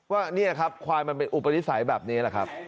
ว่านี่ครับควายมันเป็นอุปดิษฐ์แบบนี้